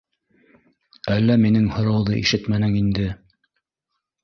Әллә минең һорауҙы ишетмәнең инде?